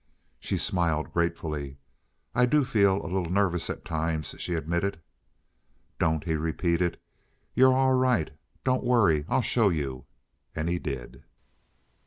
She smiled gratefully. "I do feel a little nervous at times," she admitted. "Don't," he repeated. "You're all right. Don't worry. I'll show you." And he did.